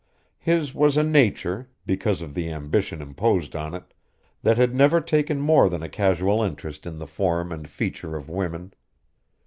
His was a nature, because of the ambition imposed on it, that had never taken more than a casual interest in the form and feature of women.